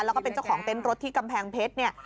แล้วก็เป็นเจ้าของเต็นต์รถที่กำแพงเพชรเนี่ย